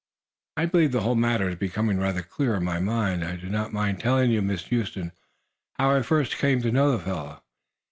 "I believe the whole matter is becoming rather clear in my mind. I do not mind telling you, Miss Huston, how I first came to know the fellow.